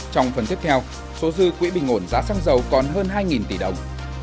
trong phần tiếp theo số dư quỹ bình ổn giá xăng dầu còn hơn hai tỷ đồng